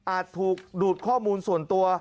ถูกดูดข้อมูลส่วนตัว